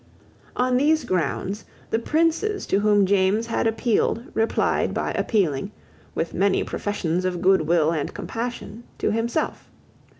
On these grounds, the princes to whom James had appealed replied by appealing, with many professions of good will and compassion, to himself.